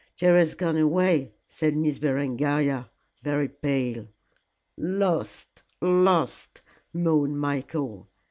"Jerry has gone away," said Miss Berengaria, very pale. "Lost! Lost!" moaned Michael.